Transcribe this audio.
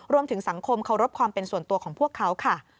รวมถึงสังคมเคารพความเป็นส่วนตัวของพวกเขาค่ะ